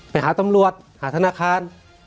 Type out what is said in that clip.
ไปหาตำรวจหาธนาคาร